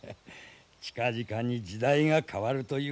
近々に時代が変わるということじゃ。